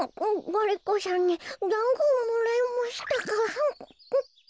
ガリ子さんにだんごをもらいましたから。